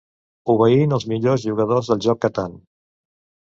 Obeint els millor jugadors del joc Catán.